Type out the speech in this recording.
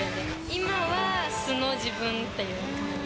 今は素の自分っていう感じ。